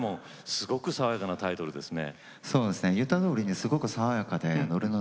すごく爽やかなタイトルですね。